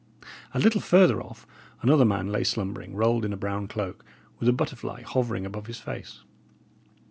A little further off, another man lay slumbering, rolled in a brown cloak, with a butterfly hovering above his face.